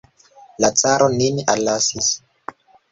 La caro nin allasis.